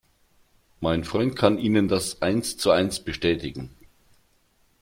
Mein Freund kann Ihnen das eins zu eins bestätigen.